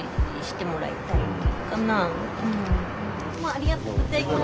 ありがとうございます。